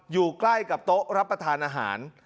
อยู่ใกล้กับโต๊ะรับประทานอาหาร